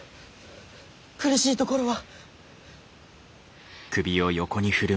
苦しいところは？